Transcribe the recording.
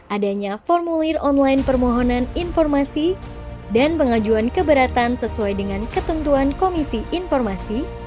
adanya formulir online permohonan informasi dan pengajuan keberatan sesuai dengan ketentuan komisi informasi